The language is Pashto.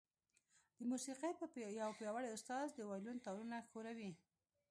د موسيقۍ يو پياوړی استاد د وايلون تارونه ښوروي.